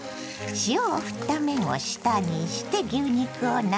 塩をふった面を下にして牛肉を並べ。